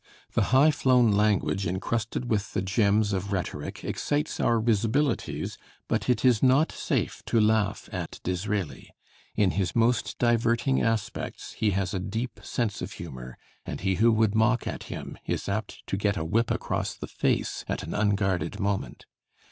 The high flown language incrusted with the gems of rhetoric excites our risibilities, but it is not safe to laugh at Disraeli; in his most diverting aspects he has a deep sense of humor, and he who would mock at him is apt to get a whip across the face at an unguarded moment.